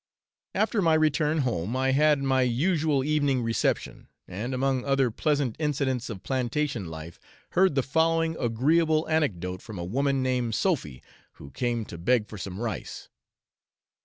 After my return home, I had my usual evening reception, and, among other pleasant incidents of plantation life, heard the following agreeable anecdote from a woman named Sophy, who came to beg for some rice.